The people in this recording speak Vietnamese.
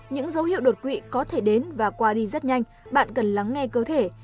những dấu hiệu đột quỵ có thể đến và qua đi rất nhanh bạn cần lắng nghe cơ thể